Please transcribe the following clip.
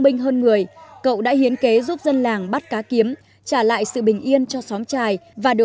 minh hơn người cậu đã hiến kế giúp dân làng bắt cá kiếm trả lại sự bình yên cho xóm trài và đưa